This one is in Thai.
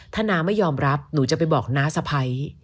ถ้าน้าไม่ยอมรับหนูจะไปบอกน้าสะพ้าย